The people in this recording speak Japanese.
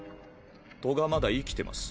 トガまだ生きてます。